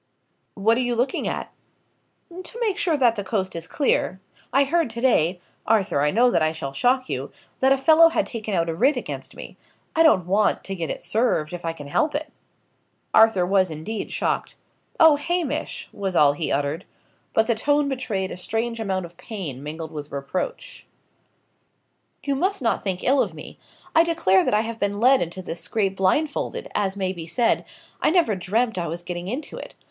"What are you looking at?" "To make sure that the coast is clear. I heard to day Arthur, I know that I shall shock you that a fellow had taken out a writ against me. I don't want to get it served, if I can help it." Arthur was indeed shocked. "Oh, Hamish!" was all he uttered. But the tone betrayed a strange amount of pain mingled with reproach. "You must not think ill of me. I declare that I have been led into this scrape blindfolded, as may be said. I never dreamt I was getting into it.